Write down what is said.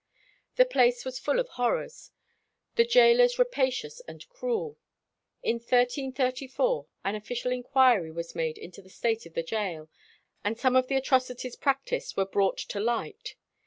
The place was full of horrors; the gaolers rapacious and cruel. In 1334 an official inquiry was made into the state of the gaol, and some of the atrocities practised were brought to light.